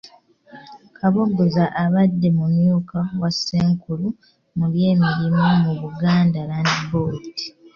Kabogoza abadde mumyuka wa Ssenkulu mu by’emirimu mu Buganda Land Board.